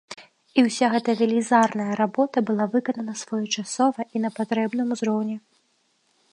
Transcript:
І ўся гэта велізарная работа была выканана своечасова і на патрэбным узроўні.